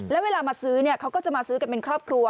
แล้วเวลามาซื้อเนี่ยเขาก็จะมาซื้อกันเป็นครอบครัว